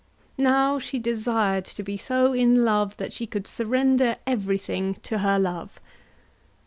Now she desired to be so in love that she could surrender everything to her love.